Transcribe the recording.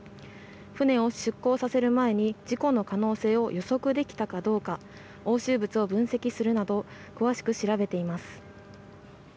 船を出港させる前に事故の可能性を予測できたかどうか押収物を分析するなど詳しく調べています。